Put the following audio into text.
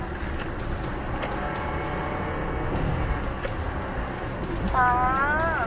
ตอนนี้จะเปลี่ยนอย่างนี้หรอว้าง